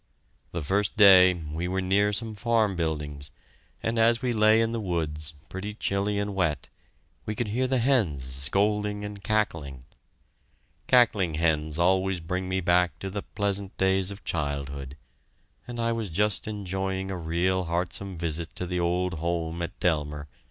The first day we were near some farm buildings, and as we lay in the woods, pretty chilly and wet, we could hear the hens scolding and cackling. Cackling hens always bring me back to the pleasant days of childhood, and I was just enjoying a real heartsome visit to the old home at Delmer...